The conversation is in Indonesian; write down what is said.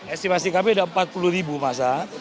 estimasi kami ada empat puluh ribu masa